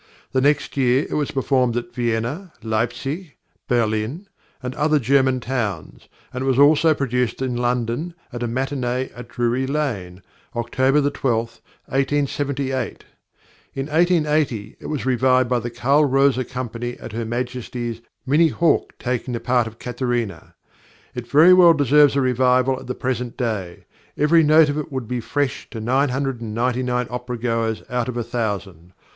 The next year it was performed at Vienna, Leipsic, Berlin, and other German towns, and it was also produced in London at a matinée at Drury Lane, October 12, 1878. In 1880 it was revived by the Carl Rosa Company at Her Majesty's, Minnie Hauk taking the part of Katharina. It very well deserves a revival at the present day. Every note of it would be fresh to nine hundred and ninety nine opera goers out of a thousand.